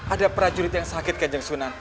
ada prajurit yang sakit kanjeng sunan